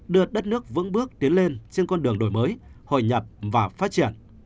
đưa đất nước vững bước tiến lên trên con đường đổi mới hội nhập và phát triển